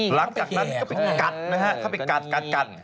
หลังจากนั้นเขาไปกัด